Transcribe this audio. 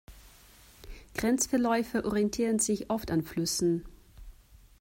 Grenzverläufe orientieren sich oft an Flüssen.